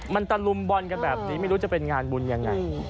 มันตะลุมบอลกันแบบนี้ไม่รู้จะเป็นงานบุญยังไง